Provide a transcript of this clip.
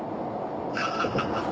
ハハハハハ。